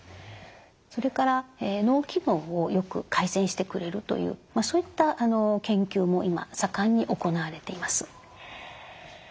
それから脳機能をよく改善してくれるというそういった研究も今盛んに行われています。